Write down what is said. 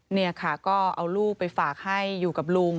นี่ค่ะก็เอาลูกไปฝากให้อยู่กับลุง